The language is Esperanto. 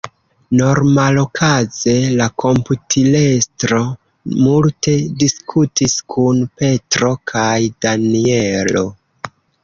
Normalokaze la komputilestro multe diskutis kun Petro kaj Danjelo.